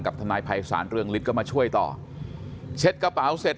ทนายภัยศาลเรืองฤทธิก็มาช่วยต่อเช็ดกระเป๋าเสร็จ